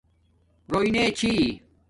رݸئ نے چھی